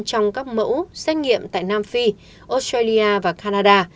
trong các mẫu xét nghiệm tại nam phi australia và canada